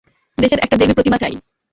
দেশের একটা দেবীপ্রতিমা চাই।